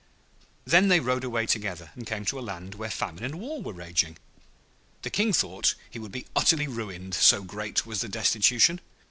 Then they rode away together, and came to a land where famine and war were raging. The King thought he would be utterly ruined, so great was the destitution.